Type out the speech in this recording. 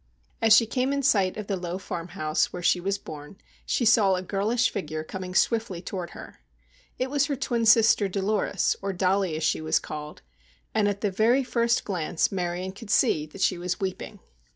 As she came in sight of the low farm house where she was born she saw a girlish figure coming swiftly toward her. It was her twin sister, Dolores, or Dollie as she was called, and at the very first glance Marion could see that she was weeping.